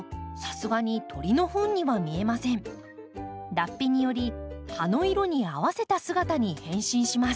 脱皮により葉の色に合わせた姿に変身します。